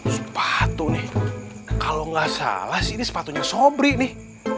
sepatu nih kalau nggak salah sih ini sepatunya sobri nih